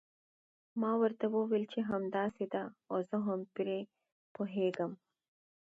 ما ورته وویل چې همداسې ده او زه هم پرې پوهیږم.